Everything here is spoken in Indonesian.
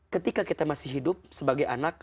ketika kita masih hidup sebagai anak